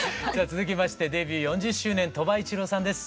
続きましてデビュー４０周年鳥羽一郎さんです。